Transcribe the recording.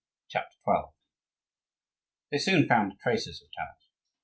CHAPTER XII They soon found traces of Taras.